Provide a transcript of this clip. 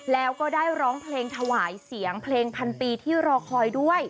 แล้วก็ได้ร้องเพลงถวายเสียงเพลงพันปีที่รอคอยด้วย